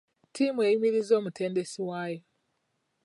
Ttiimu eyimirizza omutendesi waayo.